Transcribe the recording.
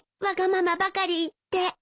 わがままばかり言って。